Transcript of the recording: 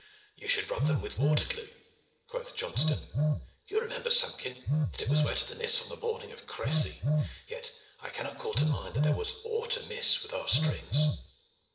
"You should rub them with water glue," quoth Johnston. "You remember, Samkin, that it was wetter than this on the morning of Crecy, and yet I cannot call to mind that there was aught amiss with our strings."